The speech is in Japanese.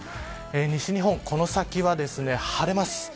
西日本この先は晴れます。